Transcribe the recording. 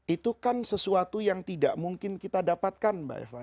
itu kan sesuatu yang tidak mungkin kita dapatkan